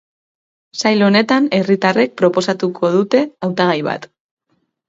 Sail honetan herritarrek proposatuko dute hautagai bat.